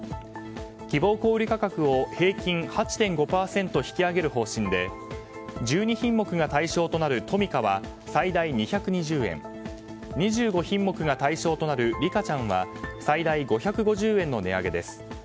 希望小売価格を平均８．５％引き上げる方針で１２品目が対象となるトミカは最大２２０円２５品目が対象となるリカちゃんは最大５５０円の値上げです。